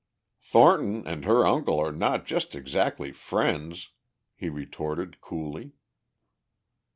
"Thornton and her uncle are not just exactly friends," he retorted coolly.